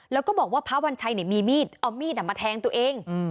แล้วก็บอกว่าพระวัญชัยมีมีดเอามีดมาแทงตัวเอง